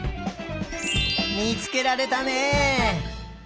みつけられたね！